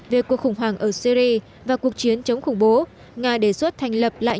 về cuộc khủng hoảng ở syri và cuộc chiến chống khủng bố nga đề xuất thành lập lại